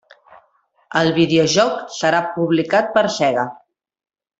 El videojoc serà publicat per Sega.